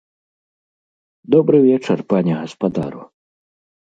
Добры вечар, пане гаспадару.